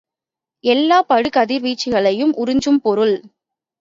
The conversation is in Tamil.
எல்லாப் படுகதிர்வீச்சுகளையும் உறிஞ்சும் பொருள்.